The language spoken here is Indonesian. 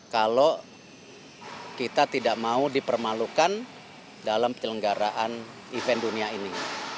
kalau kita tidak mau dipermalukan dalam penyelenggaraan event dunia ini